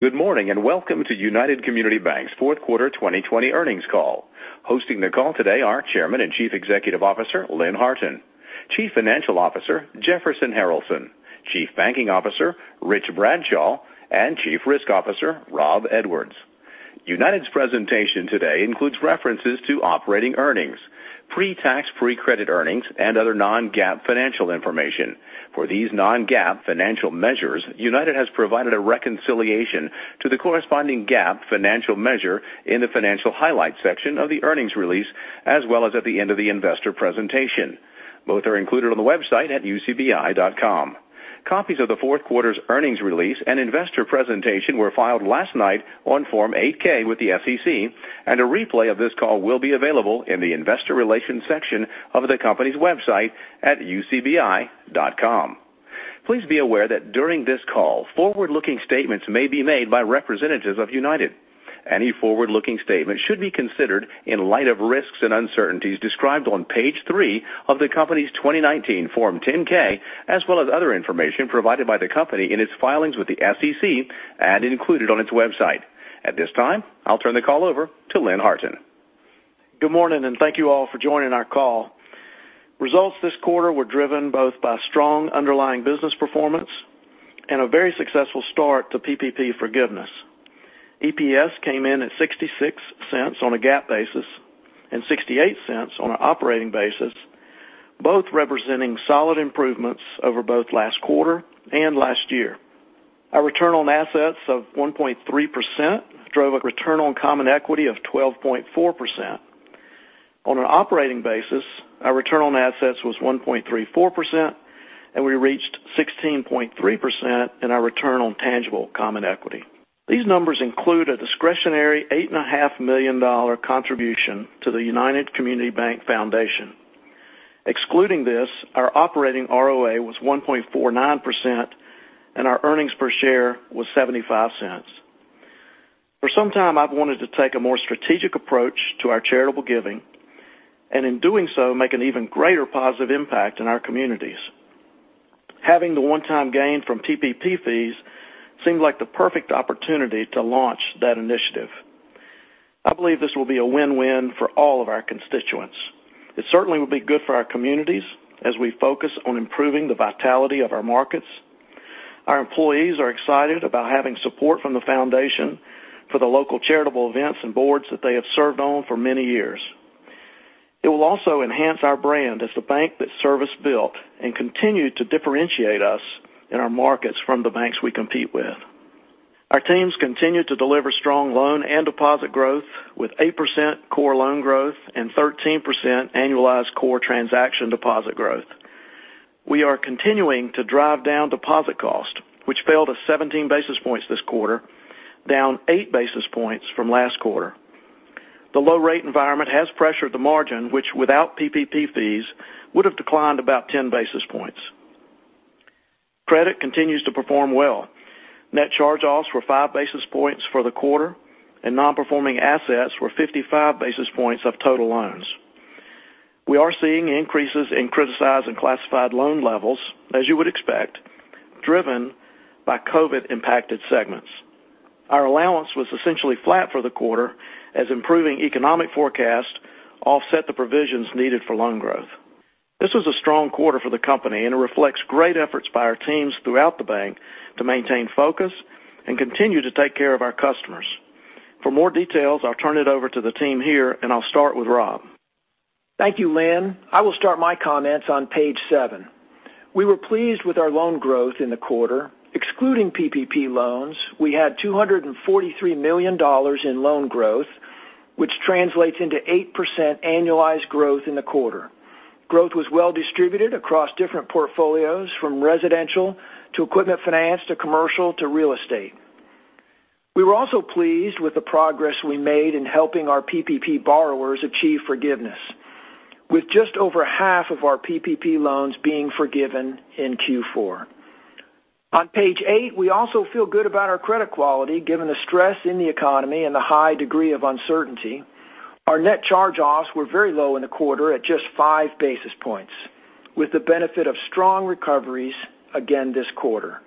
Good morning, and welcome to United Community Banks' fourth quarter 2020 earnings call. Hosting the call today are Chairman and Chief Executive Officer, Lynn Harton; Chief Financial Officer, Jefferson Harralson; Chief Banking Officer, Rich Bradshaw; and Chief Risk Officer, Rob Edwards. United's presentation today includes references to operating earnings, pre-tax free credit earnings, and other non-GAAP financial information. For these non-GAAP financial measures, United has provided a reconciliation to the corresponding GAAP financial measure in the Financial Highlights section of the earnings release, as well as at the end of the investor presentation. Both are included on the website at ucbi.com. Copies of the fourth quarter's earnings release and investor presentation were filed last night on Form 8-K with the SEC, and a replay of this call will be available in the Investor Relations section of the company's website at ucbi.com. Please be aware that during this call, forward-looking statements may be made by representatives of United. Any forward-looking statement should be considered in light of risks and uncertainties described on page three of the company's 2019 Form 10-K, as well as other information provided by the company in its filings with the SEC and included on its website. At this time, I'll turn the call over to Lynn Harton. Good morning, and thank you all for joining our call. Results this quarter were driven both by strong underlying business performance and a very successful start to PPP forgiveness. EPS came in at $0.66 on a GAAP basis and $0.68 on an operating basis, both representing solid improvements over both last quarter and last year. Our return on assets of 1.3% drove a return on common equity of 12.4%. On an operating basis, our return on assets was 1.34%, and we reached 16.3% in our return on tangible common equity. These numbers include a discretionary $8.5 million contribution to the United Community Bank Foundation. Excluding this, our operating ROA was 1.49%, and our earnings per share was $0.75. For some time, I've wanted to take a more strategic approach to our charitable giving, and in doing so, make an even greater positive impact in our communities. Having the one-time gain from PPP fees seemed like the perfect opportunity to launch that initiative. I believe this will be a win-win for all of our constituents. It certainly will be good for our communities as we focus on improving the vitality of our markets. Our employees are excited about having support from the Foundation for the local charitable events and boards that they have served on for many years. It will also enhance our brand as the bank that service built and continue to differentiate us in our markets from the banks we compete with. Our teams continue to deliver strong loan and deposit growth, with 8% core loan growth and 13% annualized core transaction deposit growth. We are continuing to drive down deposit cost, which fell to 17 basis points this quarter, down 8 basis points from last quarter. The low rate environment has pressured the margin, which without PPP fees, would have declined about 10 basis points. Credit continues to perform well. Net charge-offs were 5 basis points for the quarter, and non-performing assets were 55 basis points of total loans. We are seeing increases in criticized and classified loan levels, as you would expect, driven by COVID impacted segments. Our allowance was essentially flat for the quarter as improving economic forecast offset the provisions needed for loan growth. This was a strong quarter for the company, and it reflects great efforts by our teams throughout the bank to maintain focus and continue to take care of our customers. For more details, I'll turn it over to the team here, and I'll start with Rob. Thank you, Lynn. I will start my comments on page seven. We were pleased with our loan growth in the quarter. Excluding PPP loans, we had $243 million in loan growth, which translates into 8% annualized growth in the quarter. Growth was well distributed across different portfolios, from residential to equipment finance to commercial to real estate. We were also pleased with the progress we made in helping our PPP borrowers achieve forgiveness, with just over half of our PPP loans being forgiven in Q4. On page eight, we also feel good about our credit quality, given the stress in the economy and the high degree of uncertainty. Our net charge-offs were very low in the quarter at just 5 basis points, with the benefit of strong recoveries again this quarter.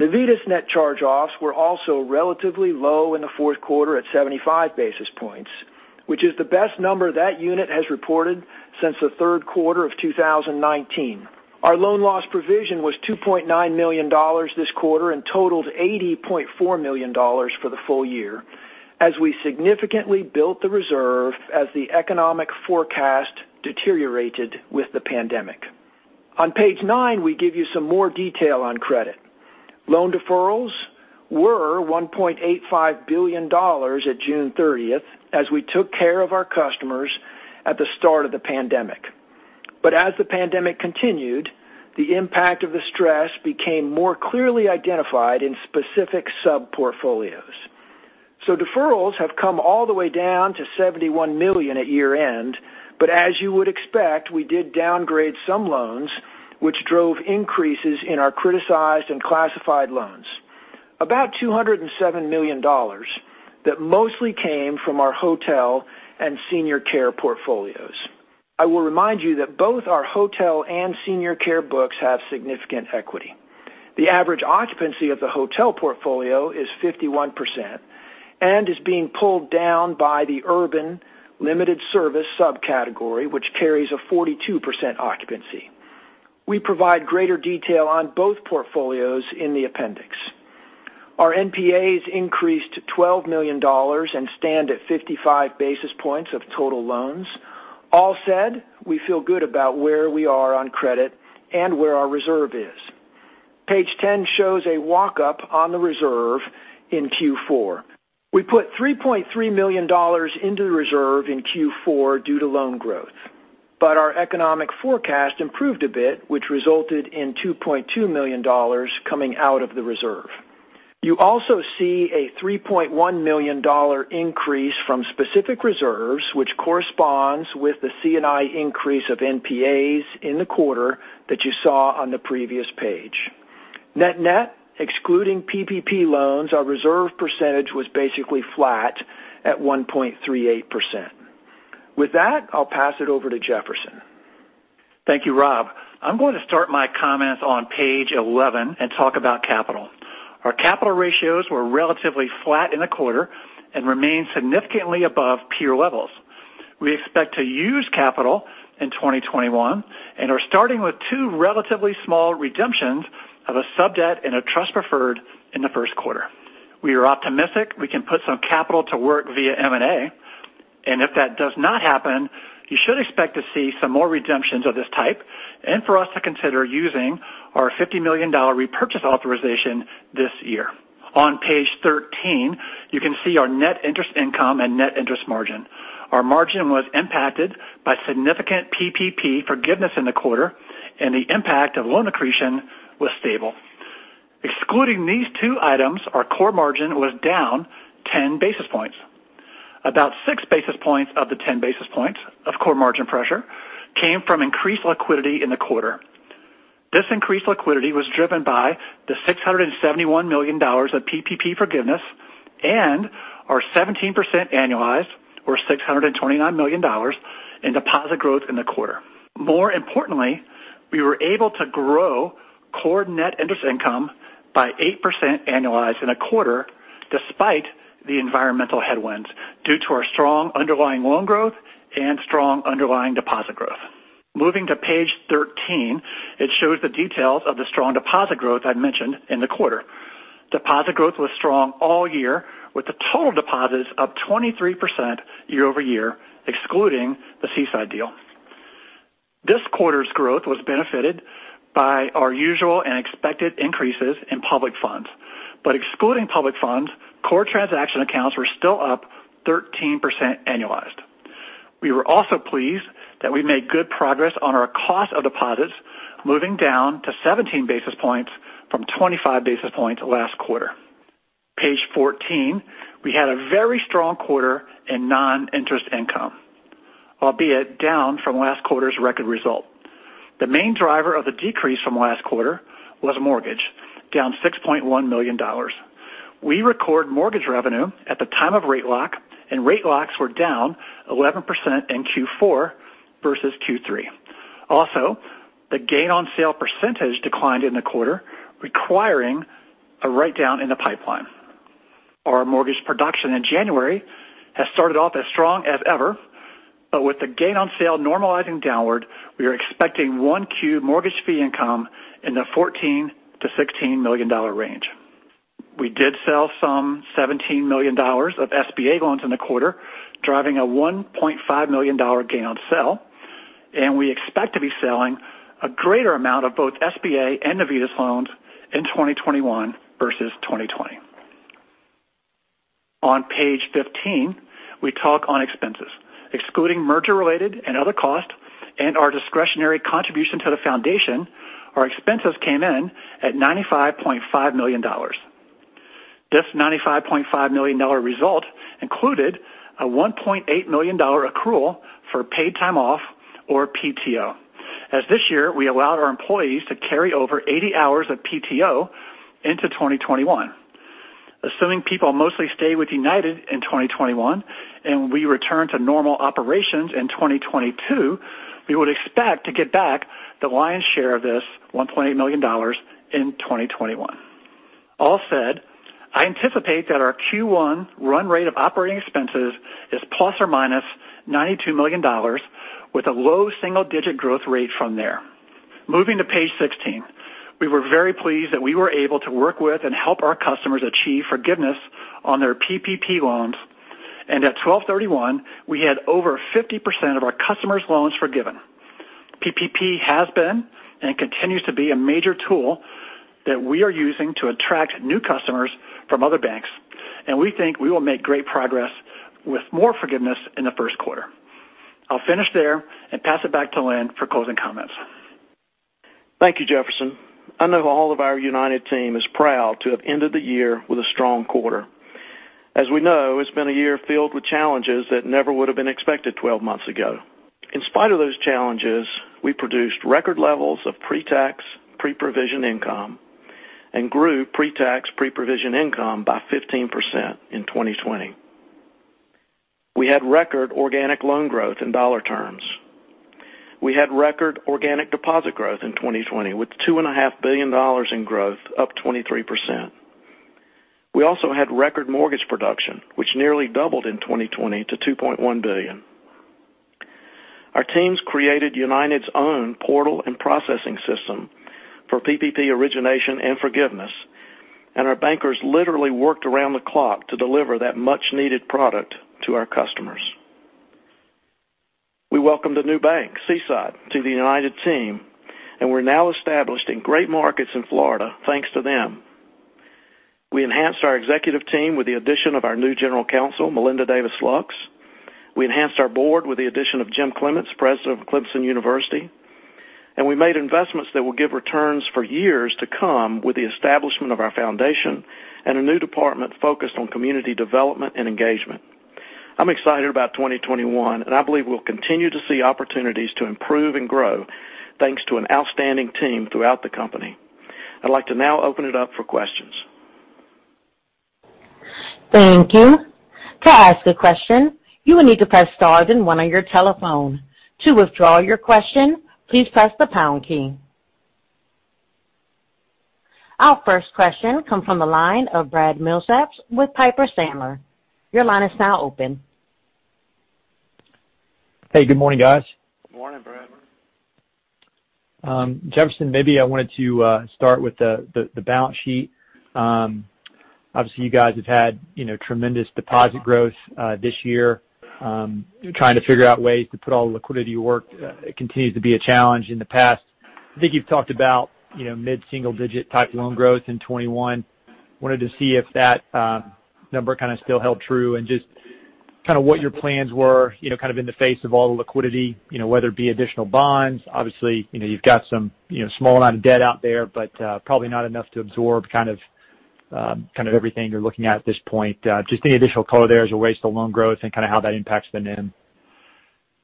Navitas net charge-offs were also relatively low in the fourth quarter at 75 basis points, which is the best number that unit has reported since the third quarter of 2019. Our loan loss provision was $2.9 million this quarter and totaled $80.4 million for the full year, as we significantly built the reserve as the economic forecast deteriorated with the pandemic. On page nine, we give you some more detail on credit. Loan deferrals were $1.85 billion at June 30th as we took care of our customers at the start of the pandemic. As the pandemic continued, the impact of the stress became more clearly identified in specific sub-portfolios. Deferrals have come all the way down to $71 million at year end, but as you would expect, we did downgrade some loans, which drove increases in our criticized and classified loans. About $207 million that mostly came from our hotel and senior care portfolios. I will remind you that both our hotel and senior care books have significant equity. The average occupancy of the hotel portfolio is 51% and is being pulled down by the urban limited service subcategory, which carries a 42% occupancy. We provide greater detail on both portfolios in the appendix. Our NPAs increased to $12 million and stand at 55 basis points of total loans. All said, we feel good about where we are on credit and where our reserve is. Page 10 shows a walk-up on the reserve in Q4. We put $3.3 million into the reserve in Q4 due to loan growth. Our economic forecast improved a bit, which resulted in $2.2 million coming out of the reserve. You also see a $3.1 million increase from specific reserves, which corresponds with the C&I increase of NPAs in the quarter that you saw on the previous page. Net net, excluding PPP loans, our reserve percentage was basically flat at 1.38%. With that, I'll pass it over to Jefferson. Thank you, Rob. I'm going to start my comments on page 11 and talk about capital. Our capital ratios were relatively flat in the quarter and remain significantly above peer levels. We expect to use capital in 2021 and are starting with two relatively small redemptions of a sub-debt and a trust preferred in the first quarter. We are optimistic we can put some capital to work via M&A, and if that does not happen, you should expect to see some more redemptions of this type and for us to consider using our $50 million repurchase authorization this year. On page 13, you can see our net interest income and net interest margin. Our margin was impacted by significant PPP forgiveness in the quarter, and the impact of loan accretion was stable. Excluding these two items, our core margin was down 10 basis points. About 6 basis points of the 10 basis points of core margin pressure came from increased liquidity in the quarter. This increased liquidity was driven by the $671 million of PPP forgiveness and our 17% annualized or $629 million in deposit growth in the quarter. More importantly, we were able to grow core net interest income by 8% annualized in a quarter, despite the environmental headwinds, due to our strong underlying loan growth and strong underlying deposit growth. Moving to page 13, it shows the details of the strong deposit growth I mentioned in the quarter. Deposit growth was strong all year with the total deposits up 23% year-over-year, excluding the Seaside deal. This quarter's growth was benefited by our usual and expected increases in public funds. Excluding public funds, core transaction accounts were still up 13% annualized. We were also pleased that we made good progress on our cost of deposits, moving down to 17 basis points from 25 basis points last quarter. Page 14, we had a very strong quarter in non-interest income, albeit down from last quarter's record result. The main driver of the decrease from last quarter was mortgage, down $6.1 million. We record mortgage revenue at the time of rate lock, and rate locks were down 11% in Q4 versus Q3. Also, the gain-on-sale percentage declined in the quarter, requiring a write-down in the pipeline. Our mortgage production in January has started off as strong as ever, but with the gain on sale normalizing downward, we are expecting 1Q mortgage fee income in the $14 million-$16 million range. We did sell some $17 million of SBA loans in the quarter, driving a $1.5 million gain on sale, and we expect to be selling a greater amount of both SBA and Navitas loans in 2021 versus 2020. On page 15, we talk on expenses. Excluding merger-related and other costs and our discretionary contribution to the foundation, our expenses came in at $95.5 million. This $95.5 million result included a $1.8 million accrual for paid time off or PTO. As this year, we allowed our employees to carry over 80 hours of PTO into 2021. Assuming people mostly stay with United in 2021, and we return to normal operations in 2022, we would expect to get back the lion's share of this $1.8 million in 2021. All said, I anticipate that our Q1 run rate of operating expenses is $±92 million with a low single-digit growth rate from there. Moving to page 16. We were very pleased that we were able to work with and help our customers achieve forgiveness on their PPP loans. At 12/31, we had over 50% of our customers' loans forgiven. PPP has been and continues to be a major tool that we are using to attract new customers from other banks, and we think we will make great progress with more forgiveness in the first quarter. I'll finish there and pass it back to Lynn for closing comments. Thank you, Jefferson. I know all of our United team is proud to have ended the year with a strong quarter. As we know, it's been a year filled with challenges that never would have been expected 12 months ago. In spite of those challenges, we produced record levels of pre-tax, pre-provision income Grew pre-tax, pre-provision income by 15% in 2020. We had record organic loan growth in dollar terms. We had record organic deposit growth in 2020 with $2.5 billion in growth, up 23%. We also had record mortgage production, which nearly doubled in 2020 to $2.1 billion. Our teams created United's own portal and processing system for PPP origination and forgiveness, and our bankers literally worked around the clock to deliver that much needed product to our customers. We welcomed a new bank, Seaside, to the United team, and we're now established in great markets in Florida thanks to them. We enhanced our executive team with the addition of our new general counsel, Melinda Davis Lux. We enhanced our board with the addition of Jim Clements, President of Clemson University. We made investments that will give returns for years to come with the establishment of our Foundation and a new department focused on community development and engagement. I'm excited about 2021, and I believe we'll continue to see opportunities to improve and grow thanks to an outstanding team throughout the company. I'd like to now open it up for questions. Thank you. To ask a question, you will need to press star then one on your telephone. To withdraw your question, please press the pound key. Our first question comes from the line of Brad Milsaps with Piper Sandler. Your line is now open. Hey, good morning, guys. Morning, Brad. Jefferson, maybe I wanted to start with the balance sheet. Obviously, you guys have had tremendous deposit growth this year. Trying to figure out ways to put all the liquidity to work continues to be a challenge in the past. I think you've talked about mid-single digit type loan growth in 2021. I wanted to see if that number kind of still held true and just what your plans were in the face of all the liquidity, whether it be additional bonds. Obviously you've got some small amount of debt out there, but probably not enough to absorb everything you're looking at this point. Just any additional color there as it relates to loan growth and how that impacts the NIM.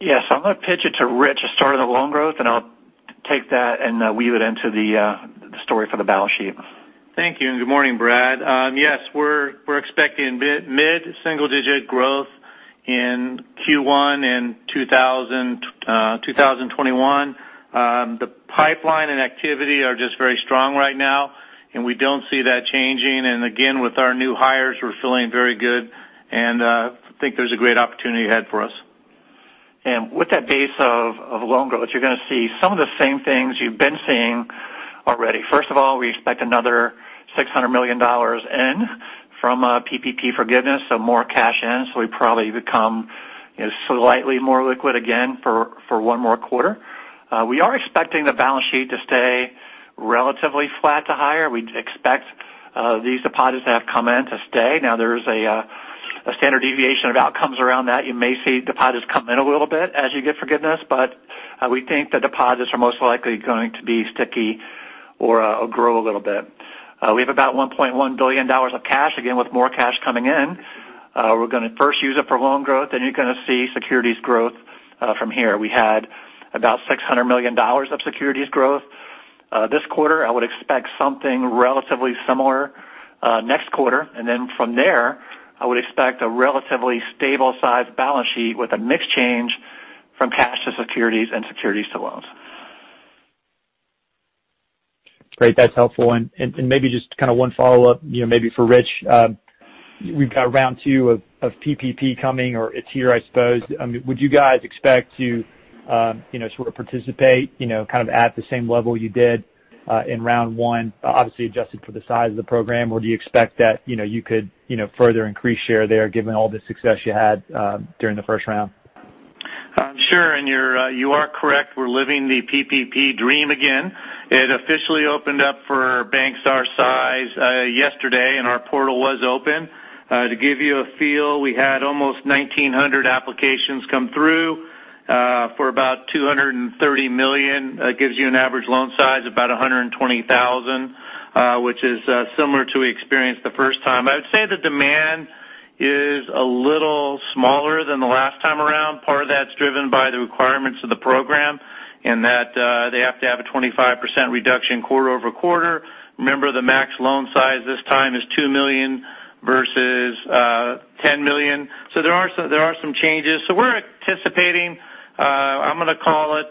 Yes. I'm going to pitch it to Rich to start on the loan growth, and I'll take that and weave it into the story for the balance sheet. Thank you, good morning, Brad. Yes. We're expecting mid-single digit growth in Q1 in 2021. The pipeline and activity are just very strong right now, we don't see that changing. Again, with our new hires, we're feeling very good and think there's a great opportunity ahead for us. With that base of loan growth, you're going to see some of the same things you've been seeing already. First of all, we expect another $600 million in from PPP forgiveness, more cash in. We probably become slightly more liquid again for one more quarter. We are expecting the balance sheet to stay relatively flat to higher. We expect these deposits that have come in to stay. Now, there's a standard deviation of outcomes around that. You may see deposits come in a little bit as you get forgiveness, but we think the deposits are most likely going to be sticky or grow a little bit. We have about $1.1 billion of cash, again, with more cash coming in. We're going to first use it for loan growth, then you're going to see securities growth from here. We had about $600 million of securities growth this quarter. I would expect something relatively similar next quarter. From there, I would expect a relatively stable size balance sheet with a mix change from cash to securities and securities to loans. Great. That's helpful. Maybe just one follow-up, maybe for Rich. We've got round 2 of PPP coming, or it's here, I suppose. Would you guys expect to sort of participate at the same level you did in round one, obviously adjusted for the size of the program? Do you expect that you could further increase share there given all the success you had during the first round? Sure. You are correct. We're living the PPP dream again. It officially opened up for banks our size yesterday, and our portal was open. To give you a feel, we had almost 1,900 applications come through for about $230 million. That gives you an average loan size about $120,000 which is similar to experience the first time. I would say the demand is a little smaller than the last time around. Part of that's driven by the requirements of the program in that they have to have a 25% reduction quarter-over-quarter. Remember, the max loan size this time is $2 million versus $10 million. There are some changes. We're anticipating, I'm going to call it,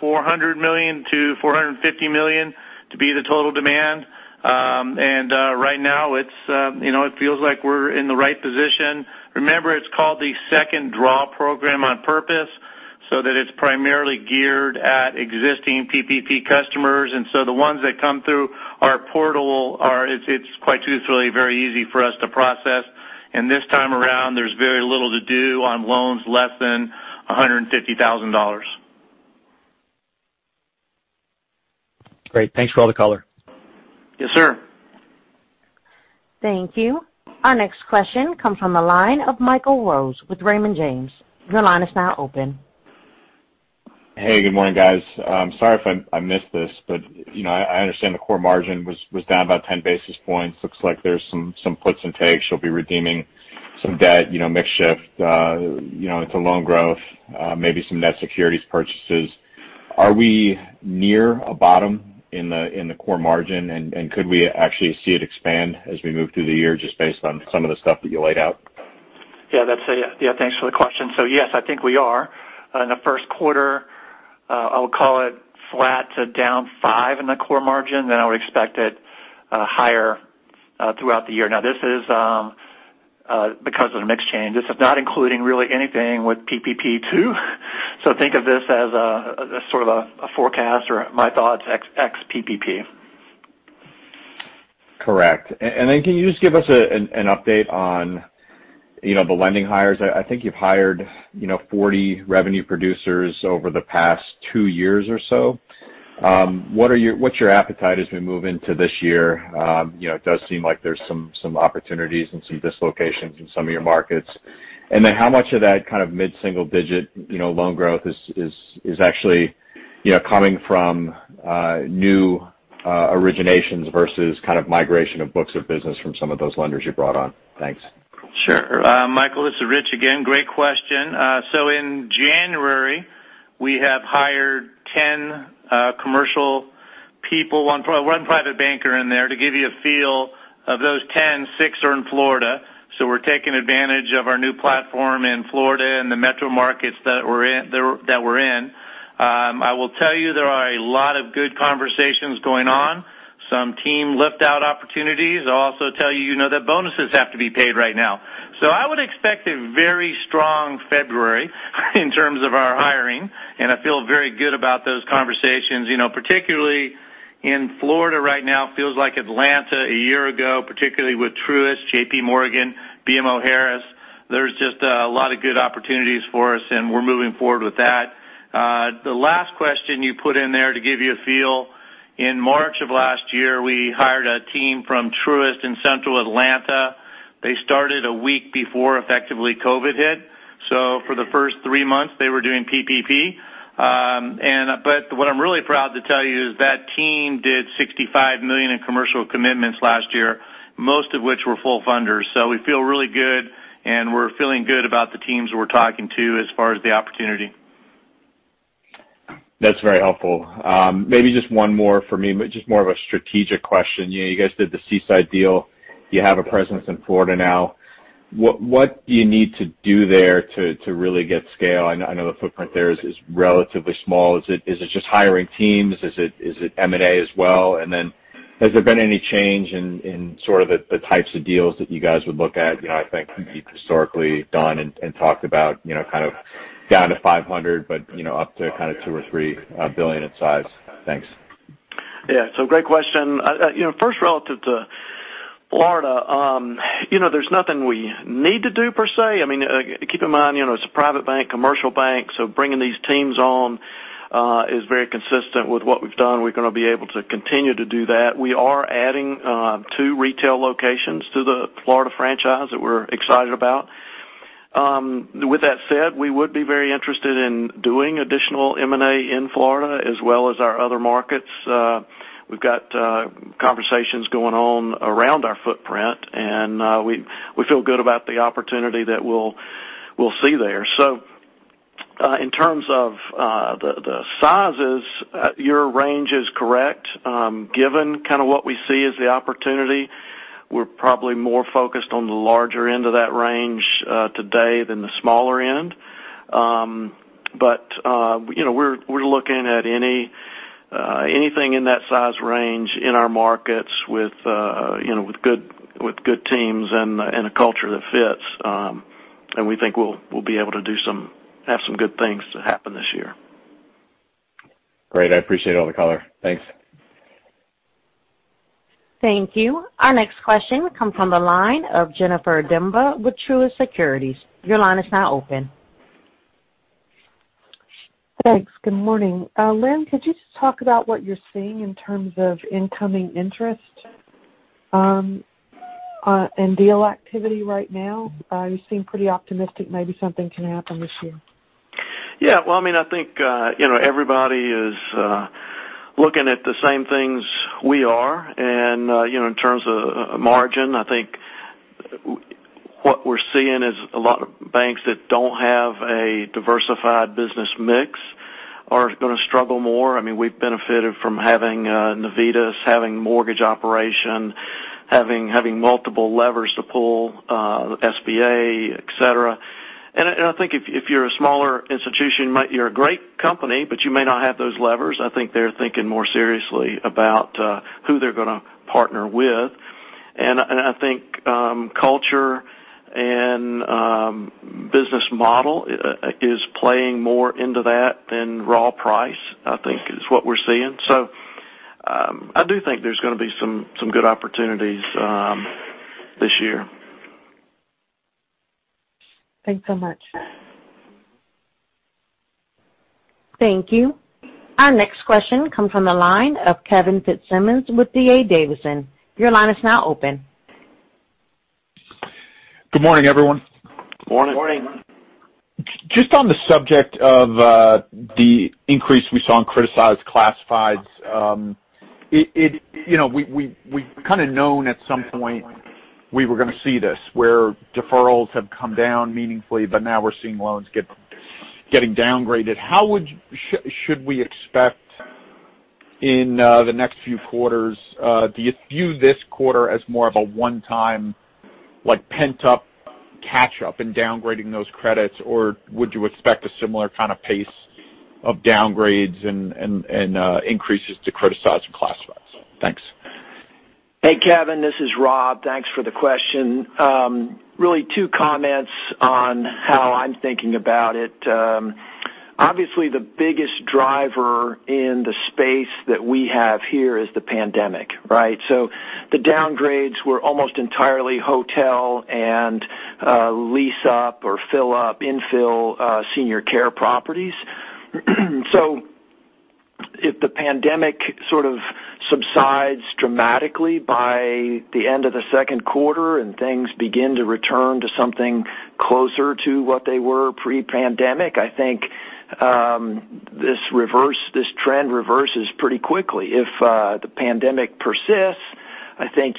$400 million-$450 million to be the total demand. Right now it feels like we're in the right position. Remember, it's called the Second Draw Program on purpose so that it's primarily geared at existing PPP customers. The ones that come through our portal, it's quite truthfully very easy for us to process. This time around, there's very little to do on loans less than $150,000. Great. Thanks for all the color. Yes, sir. Thank you. Our next question comes from the line of Michael Rose with Raymond James. Your line is now open. Hey, good morning, guys. Sorry if I missed this, I understand the core margin was down about 10 basis points. Looks like there's some puts and takes. You'll be redeeming some debt, mix shift into loan growth, maybe some net securities purchases. Are we near a bottom in the core margin, could we actually see it expand as we move through the year just based on some of the stuff that you laid out? Yeah, thanks for the question. Yes, I think we are. In the first quarter, I'll call it flat to down five in the core margin, then I would expect it higher throughout the year. Now this is because of the mix change. This is not including really anything with PPP too. Think of this as a sort of a forecast or my thoughts ex PPP. Correct. Can you just give us an update on the lending hires? I think you've hired 40 revenue producers over the past two years or so. What's your appetite as we move into this year? It does seem like there's some opportunities and some dislocations in some of your markets. How much of that kind of mid-single digit loan growth is actually coming from new originations versus kind of migration of books of business from some of those lenders you brought on? Thanks. Sure. Michael, this is Rich again. Great question. In January, we have hired 10 commercial people, one private banker in there. To give you a feel, of those 10, six are in Florida. We're taking advantage of our new platform in Florida and the metro markets that we're in. I will tell you there are a lot of good conversations going on. Some team lift-out opportunities. I'll also tell you that bonuses have to be paid right now. I would expect a very strong February in terms of our hiring, and I feel very good about those conversations. Particularly in Florida right now, it feels like Atlanta a year ago, particularly with Truist, JPMorgan, BMO Harris. There's just a lot of good opportunities for us, and we're moving forward with that. The last question you put in there to give you a feel, in March of last year, we hired a team from Truist in central Atlanta. They started a week before effectively COVID hit. For the first three months, they were doing PPP. What I'm really proud to tell you is that team did $65 million in commercial commitments last year, most of which were full funders. We feel really good, and we're feeling good about the teams we're talking to as far as the opportunity. That's very helpful. Maybe just one more from me, but just more of a strategic question. You guys did the Seaside deal. You have a presence in Florida now. What do you need to do there to really get scale? I know the footprint there is relatively small. Is it just hiring teams? Is it M&A as well? Has there been any change in sort of the types of deals that you guys would look at? I think you've historically done and talked about kind of down to $500, but up to kind of $2 billion or $3 billion in size. Thanks. Yeah. Great question. First, relative to Florida, there's nothing we need to do per se. Keep in mind, it's a private bank, commercial bank, so bringing these teams on is very consistent with what we've done. We're going to be able to continue to do that. We are adding two retail locations to the Florida franchise that we're excited about. With that said, we would be very interested in doing additional M&A in Florida as well as our other markets. We've got conversations going on around our footprint, and we feel good about the opportunity that we'll see there. In terms of the sizes, your range is correct. Given kind of what we see as the opportunity, we're probably more focused on the larger end of that range today than the smaller end. We're looking at anything in that size range in our markets with good teams and a culture that fits. We think we'll be able to have some good things to happen this year. Great. I appreciate all the color. Thanks. Thank you. Our next question comes from the line of Jennifer Demba with Truist Securities. Your line is now open. Thanks. Good morning. Lynn, could you just talk about what you're seeing in terms of incoming interest and deal activity right now? You seem pretty optimistic maybe something can happen this year. Yeah. Well, I think everybody is looking at the same things we are. In terms of margin, I think what we're seeing is a lot of banks that don't have a diversified business mix are going to struggle more. We've benefited from having Navitas, having mortgage operation, having multiple levers to pull, SBA, etc. I think if you're a smaller institution, you're a great company, but you may not have those levers. I think they're thinking more seriously about who they're going to partner with. I think culture and business model is playing more into that than raw price, I think is what we're seeing. I do think there's going to be some good opportunities this year. Thanks so much. Thank you. Our next question comes from the line of Kevin Fitzsimmons with D.A. Davidson. Your line is now open. Good morning, everyone. Morning. Just on the subject of the increase we saw in criticized classifieds, we've kind of known at some point we were going to see this, where deferrals have come down meaningfully, but now we're seeing loans getting downgraded. Should we expect in the next few quarters, do you view this quarter as more of a one-time, like pent-up catch-up in downgrading those credits? Or would you expect a similar kind of pace of downgrades and increases to criticized classifieds? Thanks. Hey, Kevin, this is Rob. Thanks for the question. Really two comments on how I'm thinking about it. Obviously, the biggest driver in the space that we have here is the pandemic, right? The downgrades were almost entirely hotel and lease-up or fill-up infill senior care properties. If the pandemic sort of subsides dramatically by the end of the second quarter and things begin to return to something closer to what they were pre-pandemic, I think this trend reverses pretty quickly. If the pandemic persists, I think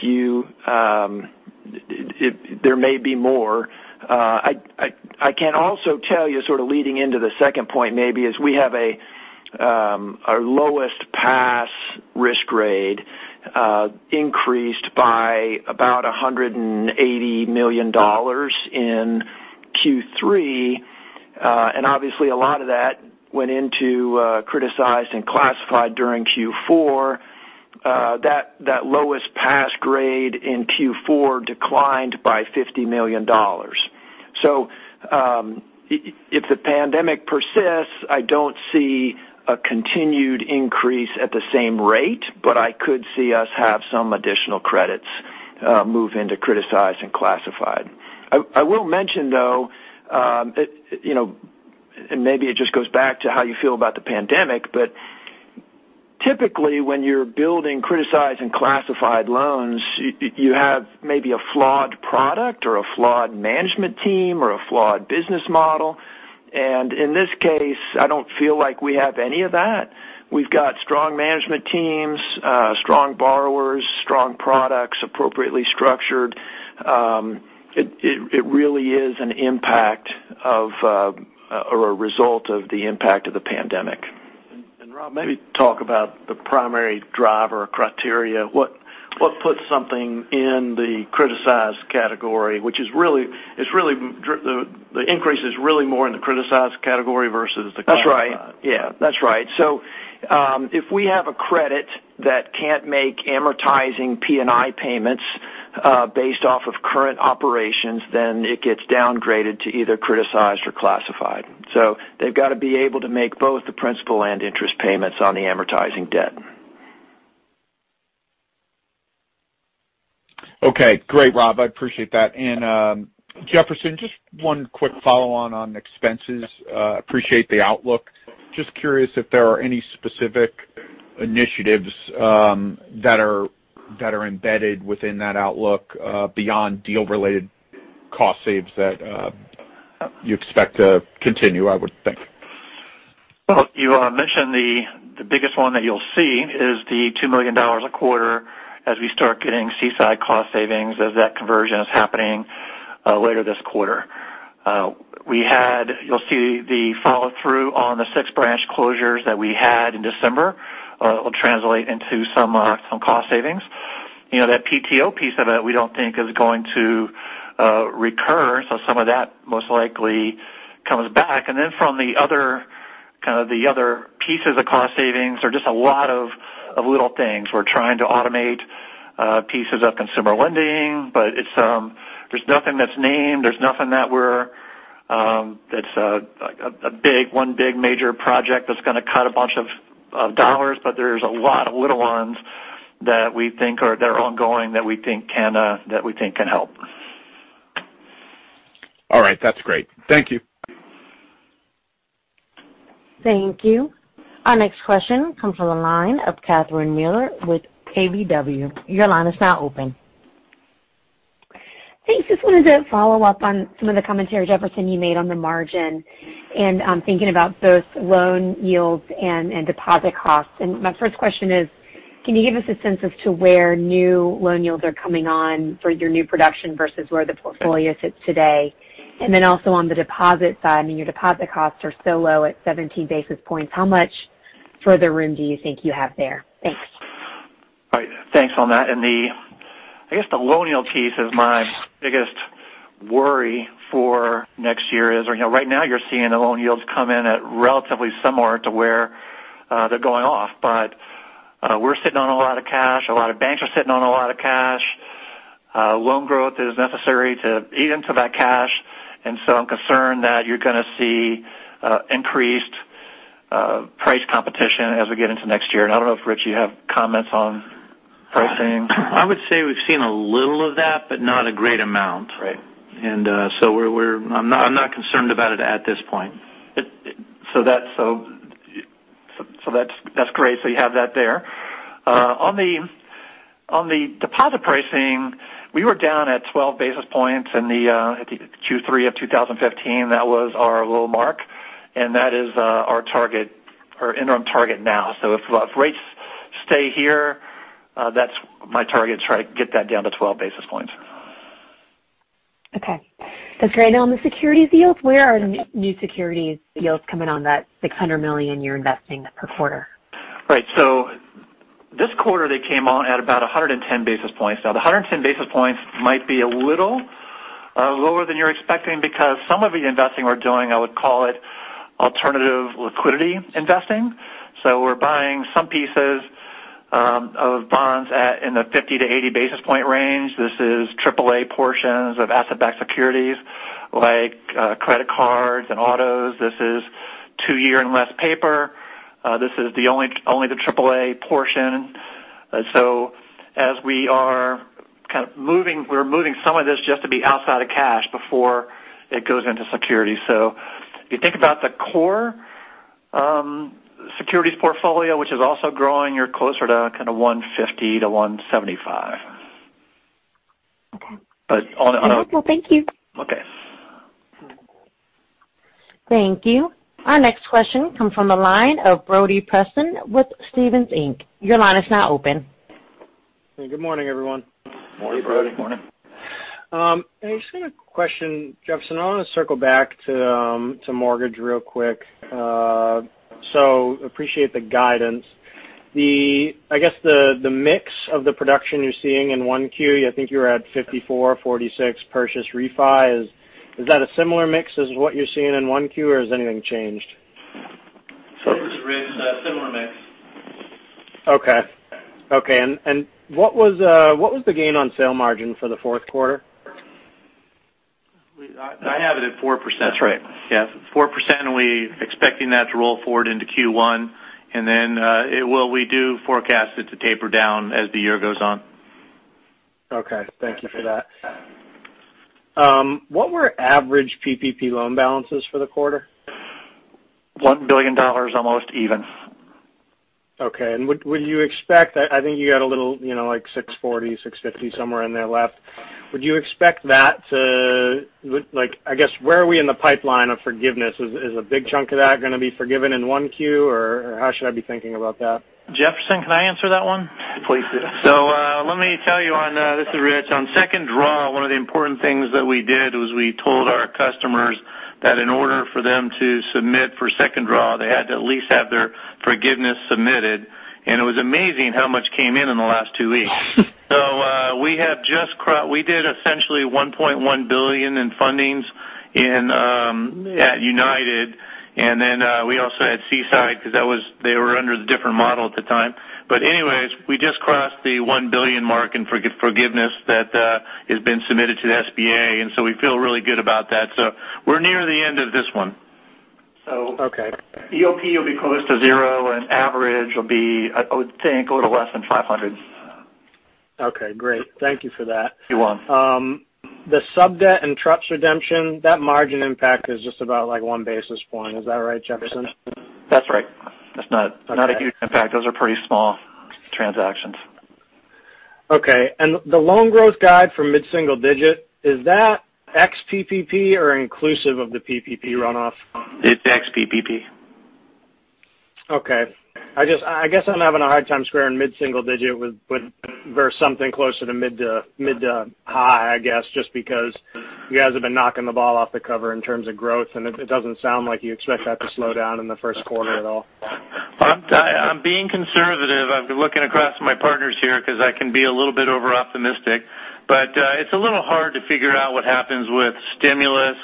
there may be more. I can also tell you, sort of leading into the second point maybe, is we have our lowest pass risk grade increased by about $180 million in Q3. Obviously a lot of that went into criticized and classified during Q4. That lowest pass grade in Q4 declined by $50 million. If the pandemic persists, I don't see a continued increase at the same rate, but I could see us have some additional credits move into criticized and classified. I will mention, though, and maybe it just goes back to how you feel about the pandemic, but typically when you're building criticized and classified loans, you have maybe a flawed product or a flawed management team or a flawed business model. In this case, I don't feel like we have any of that. We've got strong management teams, strong borrowers, strong products, appropriately structured. It really is an impact or a result of the impact of the pandemic. Rob, maybe talk about the primary driver criteria. What puts something in the criticized category, which the increase is really more in the criticized category versus the classified? That's right. Yeah. That's right. If we have a credit that can't make amortizing P&I payments based off of current operations, then it gets downgraded to either criticized or classified. They've got to be able to make both the principal and interest payments on the amortizing debt. Okay. Great, Rob. I appreciate that. Jefferson, just one quick follow-on on expenses. Appreciate the outlook. Just curious if there are any specific initiatives that are embedded within that outlook beyond deal-related cost saves that you expect to continue, I would think. Well, you mentioned the biggest one that you'll see is the $2 million a quarter as we start getting Seaside cost savings as that conversion is happening later this quarter. You'll see the follow-through on the six branch closures that we had in December. It'll translate into some cost savings. That PTO piece of it, we don't think is going to recur, some of that most likely comes back. From the other pieces of cost savings are just a lot of little things. We're trying to automate pieces of consumer lending, there's nothing that's named, there's nothing that's one big major project that's going to cut a bunch of dollars. There's a lot of little ones that are ongoing that we think can help. All right. That's great. Thank you. Thank you. Our next question comes from the line of Catherine Mealor with KBW. Your line is now open. Thanks. Just wanted to follow up on some of the commentary, Jefferson, you made on the margin, and I'm thinking about both loan yields and deposit costs. My first question is, can you give us a sense as to where new loan yields are coming on for your new production versus where the portfolio sits today? Then also on the deposit side, I mean, your deposit costs are so low at 17 basis points. How much further room do you think you have there? Thanks. All right. Thanks on that. I guess the loan yield piece is my biggest worry for next year is, right now you're seeing the loan yields come in at relatively similar to where they're going off. We're sitting on a lot of cash. A lot of banks are sitting on a lot of cash. Loan growth is necessary to eat into that cash. I'm concerned that you're going to see increased price competition as we get into next year. I don't know if, Rich, you have comments on pricing. I would say we've seen a little of that, but not a great amount. Right. I'm not concerned about it at this point. That's great. You have that there. On the deposit pricing, we were down at 12 basis points in the Q3 of 2015. That was our low mark, and that is our interim target now. If rates stay here, that's my target to try to get that down to 12 basis points. Okay, that's great. On the securities yields, where are the new securities yields coming on that $600 million you're investing per quarter? Right. This quarter, they came on at about 110 basis points. Now, the 110 basis points might be a little lower than you're expecting because some of the investing we're doing, I would call it alternative liquidity investing. We're buying some pieces of bonds in the 50-80 basis point range. This is AAA portions of asset-backed securities like credit cards and autos. This is two-year and less paper. This is only the triple-A portion. As we are kind of moving, we're moving some of this just to be outside of cash before it goes into security. If you think about the core securities portfolio, which is also growing, you're closer to kind of 150-175. Okay. But on a- Okay. Thank you. Okay. Thank you. Our next question comes from the line of Brody Preston with Stephens Inc. Your line is now open. Good morning, everyone. Morning, Brody. Morning. I just got a question. Jefferson, I want to circle back to mortgage real quick. Appreciate the guidance. I guess the mix of the production you're seeing in 1Q, I think you were at 54/46 purchase refi. Is that a similar mix as what you're seeing in 1Q, or has anything changed? This is Rich. A similar mix. Okay. What was the gain on sale margin for the fourth quarter? I have it at 4%. That's right. Yeah, 4%. We're expecting that to roll forward into Q1. Then we do forecast it to taper down as the year goes on. Okay. Thank you for that. What were average PPP loan balances for the quarter? $1 billion, almost even. Okay. I think you got a little like $640, $650, somewhere in there left. I guess, where are we in the pipeline of forgiveness? Is a big chunk of that going to be forgiven in 1Q, or how should I be thinking about that? Jefferson, can I answer that one? Please do. This is Rich. On second draw, one of the important things that we did was we told our customers that in order for them to submit for second draw, they had to at least have their forgiveness submitted. It was amazing how much came in in the last two weeks. We did essentially $1.1 billion in fundings at United, and then we also had Seaside because they were under the different model at the time. Anyways, we just crossed the $1 billion mark in forgiveness that has been submitted to the SBA, and so we feel really good about that. We're near the end of this one. Okay. EOP will be close to zero, and average will be, I would think, a little less than $500. Okay, great. Thank you for that. You're welcome. The sub-debt and trusts redemption, that margin impact is just about like one basis point. Is that right, Jefferson? That's right. It's not a huge impact. Those are pretty small transactions. Okay. The loan growth guide for mid-single digit, is that ex-PPP or inclusive of the PPP runoff? It's ex-PPP. Okay. I guess I'm having a hard time squaring mid-single digit versus something closer to mid to high, I guess, just because you guys have been knocking the ball off the cover in terms of growth, and it doesn't sound like you expect that to slow down in the first quarter at all. I'm being conservative. I've been looking across at my partners here because I can be a little bit over-optimistic. It's a little hard to figure out what happens with stimulus.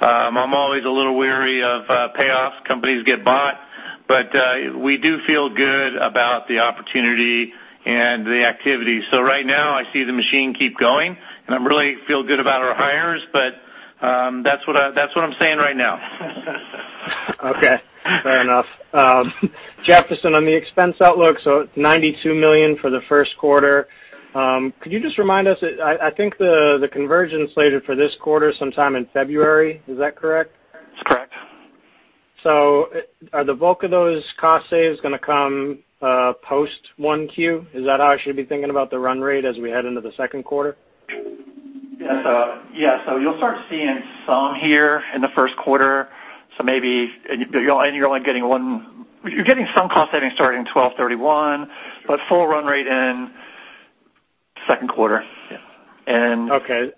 I'm always a little wary of payoffs. Companies get bought. We do feel good about the opportunity and the activity. Right now, I see the machine keep going, and I really feel good about our hires, but that's what I'm saying right now. Okay. Fair enough. Jefferson, on the expense outlook, so it's $92 million for the first quarter. Could you just remind us, I think the conversion slated for this quarter sometime in February. Is that correct? That's correct. Are the bulk of those cost saves going to come post 1Q? Is that how I should be thinking about the run rate as we head into the second quarter? Yeah. You'll start seeing some here in the first quarter. Maybe you're only getting one. You're getting some cost savings starting 12/31, but full run rate in second quarter. Yeah Okay.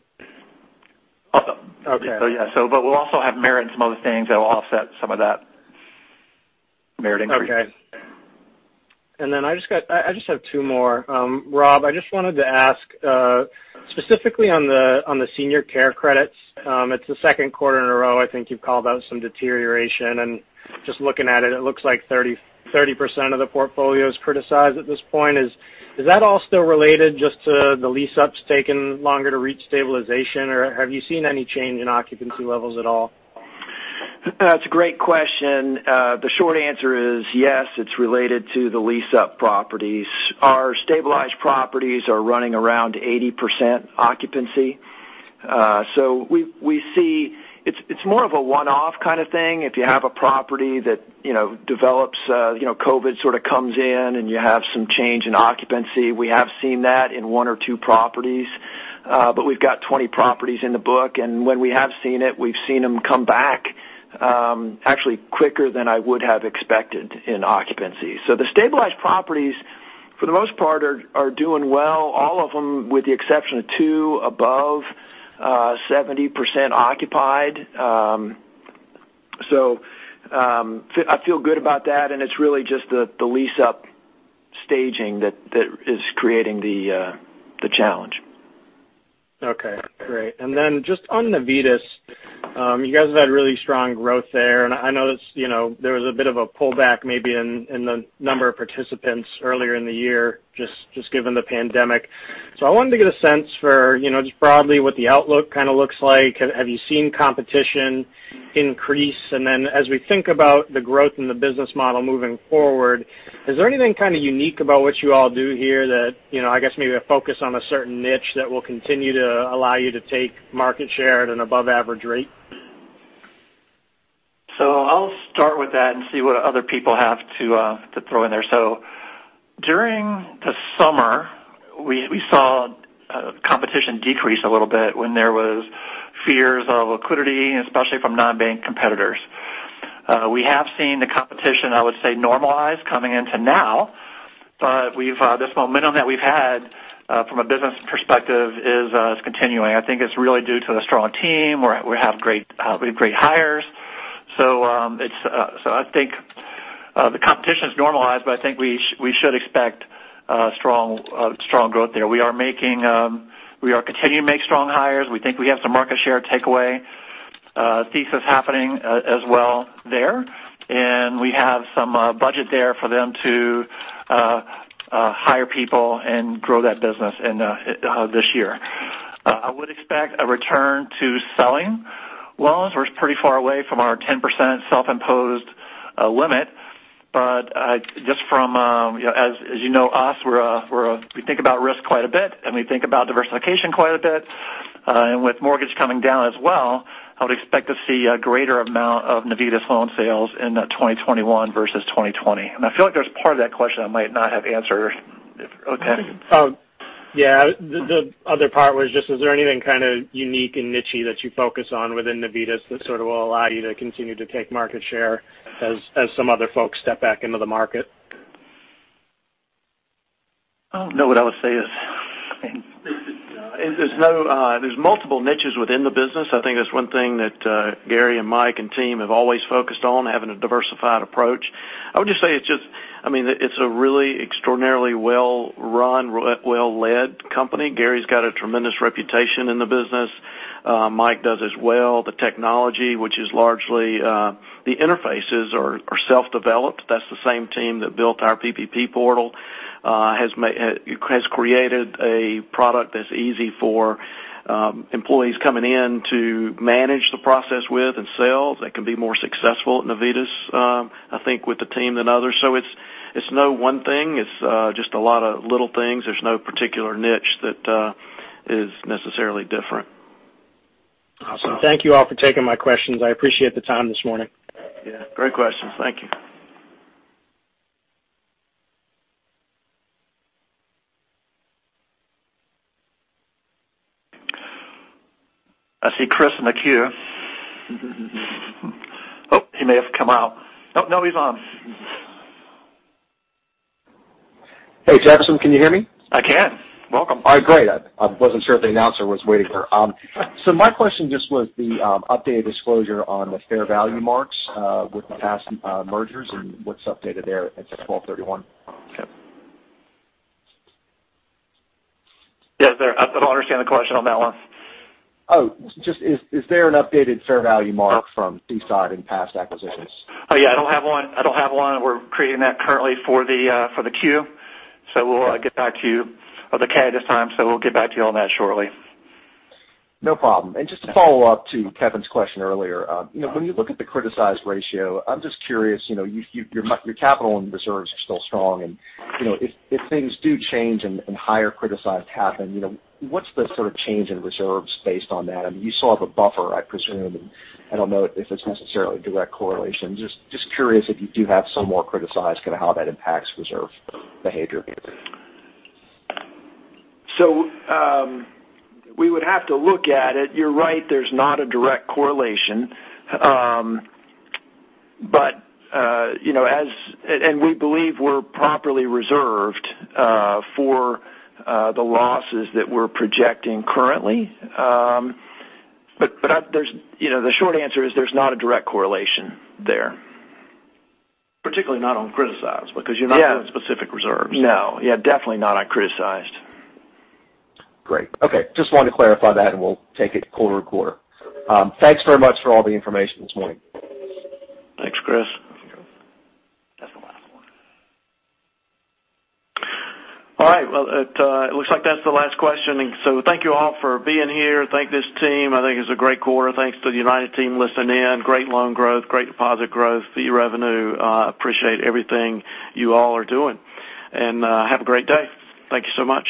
Also. Okay. Yeah. We'll also have merit and some other things that will offset some of that merit increase. Okay. I just have two more. Rob, I just wanted to ask specifically on the senior care credits. It's the second quarter in a row, I think you've called out some deterioration, and just looking at it looks like 30% of the portfolio is criticized at this point. Is that all still related just to the lease-ups taking longer to reach stabilization, or have you seen any change in occupancy levels at all? That's a great question. The short answer is yes, it's related to the lease-up properties. Our stabilized properties are running around 80% occupancy. We see it's more of a one-off kind of thing. If you have a property that develops, COVID sort of comes in, and you have some change in occupancy. We have seen that in one or two properties. We've got 20 properties in the book, and when we have seen it, we've seen them come back actually quicker than I would have expected in occupancy. The stabilized properties, for the most part, are doing well, all of them, with the exception of two, above 70% occupied. I feel good about that, and it's really just the lease-up staging that is creating the challenge. Okay, great. Just on Navitas, you guys have had really strong growth there, and I know there was a bit of a pullback maybe in the number of participants earlier in the year, just given the pandemic. I wanted to get a sense for just broadly what the outlook kind of looks like. Have you seen competition increase? As we think about the growth in the business model moving forward, is there anything kind of unique about what you all do here that, I guess maybe a focus on a certain niche that will continue to allow you to take market share at an above average rate? I'll start with that and see what other people have to throw in there. During the summer, we saw competition decrease a little bit when there was fears of liquidity, especially from non-bank competitors. We have seen the competition, I would say, normalize coming into now. This momentum that we've had from a business perspective is continuing. I think it's really due to a strong team. We have great hires. I think the competition is normalized, but I think we should expect strong growth there. We are continuing to make strong hires. We think we have some market share takeaway thesis happening as well there. We have some budget there for them to hire people and grow that business this year. I would expect a return to selling loans. We're pretty far away from our 10% self-imposed limit. As you know us, we think about risk quite a bit, and we think about diversification quite a bit. With mortgage coming down as well, I would expect to see a greater amount of Navitas loan sales in 2021 versus 2020. I feel like there's part of that question I might not have answered. Okay. Yeah. The other part was just, is there anything kind of unique and niche-y that you focus on within Navitas that sort of will allow you to continue to take market share as some other folks step back into the market? I don't know what I would say is - There's multiple niches within the business. I think that's one thing that Gary and Mike and team have always focused on, having a diversified approach. I would just say it's a really extraordinarily well-run, well-led company. Gary's got a tremendous reputation in the business. Mike does as well. The technology, which is largely the interfaces are self-developed. That's the same team that built our PPP portal, has created a product that's easy for employees coming in to manage the process with and sell. They can be more successful at Navitas, I think, with the team than others. It's no one thing. It's just a lot of little things. There's no particular niche that is necessarily different. Awesome. Thank you all for taking my questions. I appreciate the time this morning. Yeah, great questions. Thank you. I see Chris in the queue. Oh, he may have come out. Oh, no, he's on. Hey, Jefferson, can you hear me? I can. Welcome. All right, great. My question just was the updated disclosure on the fair value marks with the past mergers and what's updated there as of 12/31. Okay. Yeah. I don't understand the question on that one. Oh, just is there an updated fair value mark from Seaside and past acquisitions? Oh, yeah. I don't have one. We're creating that currently for the Q, or the K this time. We'll get back to you on that shortly. No problem. Just to follow up to Kevin's question earlier, when you look at the criticized ratio, I'm just curious, your capital and reserves are still strong, and if things do change and higher criticized happen, what's the sort of change in reserves based on that? I mean, you still have a buffer, I presume, and I don't know if it's necessarily a direct correlation. Just curious if you do have some more criticized, kind of how that impacts reserve behavior. We would have to look at it. You're right, there's not a direct correlation. We believe we're properly reserved for the losses that we're projecting currently. The short answer is there's not a direct correlation there. Particularly not on criticized because you're not doing specific reserves. No. Yeah, definitely not on criticized. Great. Okay. Just wanted to clarify that, and we'll take it quarter to quarter. Thanks very much for all the information this morning. Thanks, Chris. That's the last one. All right. Well, it looks like that's the last question. Thank you all for being here. Thank this team. I think it was a great quarter. Thanks to the United Team listening in. Great loan growth, great deposit growth, fee revenue. Appreciate everything you all are doing. Have a great day. Thank you so much.